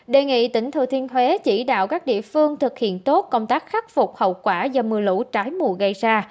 đề nghị tỉnh thừa thiên huế chỉ đạo các địa phương thực hiện tốt công tác khắc phục hậu quả do mưa lũ trái mùa gây ra